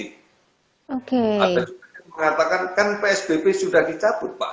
ada juga yang mengatakan kan psbb sudah dicabut pak